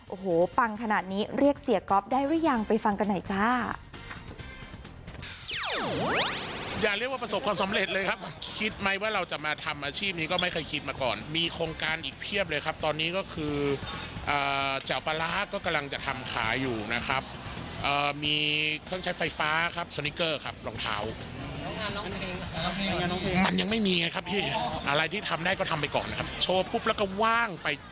โอ้โหปังขนาดนี้เรียกเสียก๊อฟได้หรือยังไปฟังกันหน่อยจ้า